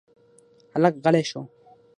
هلک غلی شو.